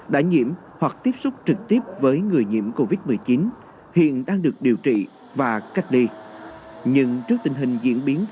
đã nhiễm hoặc tiếp xúc trực tiếp với người nhiễm covid một mươi chín